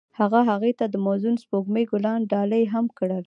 هغه هغې ته د موزون سپوږمۍ ګلان ډالۍ هم کړل.